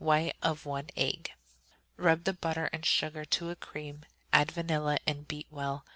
White of one egg. Rub the butter and sugar to a cream; add vanilla and beat well.